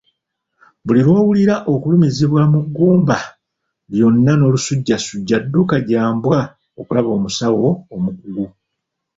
Buli lw'owulira okulumizibwa mu gumba lyonna n'olusujjasujja dduka gya mbwa okulaba omusawo omukugu